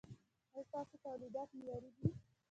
ایا ستاسو تولیدات معیاري دي؟